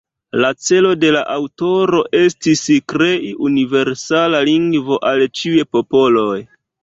La celo de la aŭtoro estis krei universala lingvo al ĉiuj popoloj.